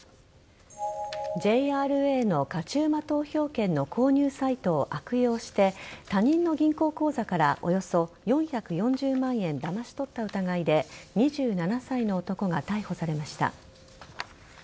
ＪＲＡの勝ち馬投票券の購入サイトを悪用し他人の銀行口座からおよそ４４０万円だまし取った疑いで２７歳の男が逮捕されました。